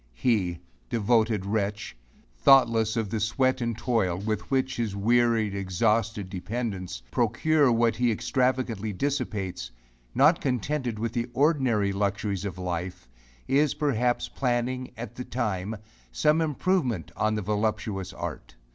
He, devoted wretch! thoughtless of the sweat and toil with which his wearied, exhausted dependents procure what he extravagantly dissipates, not contented with the ordinary luxuries of life, is, perhaps, planning, at the time, some improvement on the voluptuous art.